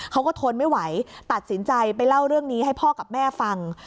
เขาก็ทนไม่ไหวตัดสินใจไปเล่าเรื่องนี้ให้พ่อกับแม่ฟัง